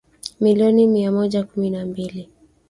milioni mia moja kumi mbili